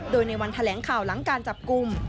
โดยในวันแถลงข่าวหลังการจับกลุ่ม